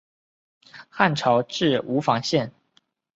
汉朝置吴房县。